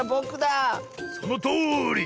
そのとおり！